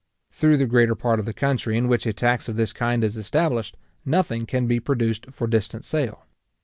Through the greater part of the country in which a tax of this kind is established, nothing can be produced for distant sale.